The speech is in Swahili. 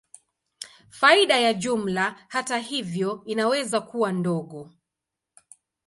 Faida ya jumla, hata hivyo, inaweza kuwa ndogo.